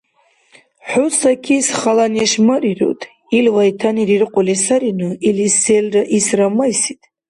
– ХӀу Сакис хала неш марируд. Ил вайтани риркьули сарину, илис селра исра майсид.